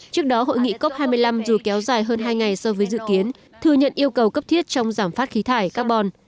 trước đó hội nghị cop hai mươi năm dù kéo dài hơn hai ngày so với dự kiến thừa nhận yêu cầu cấp thiết trong giảm phát khí thải carbon